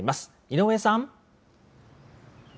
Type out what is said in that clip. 井上さん。